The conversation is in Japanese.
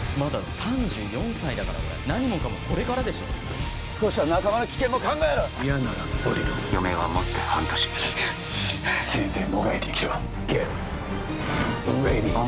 ３４歳だから俺何もかもこれからでしょ少しは仲間の危険も考えろよ嫌なら降りろ余命はもって半年せいぜいもがいて生きろＧｅｔＲｅａｄｙ